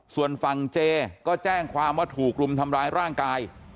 ส่วนฝั่งเจก็แจ้งความว่าถูกรุมทำร้ายร่างกาย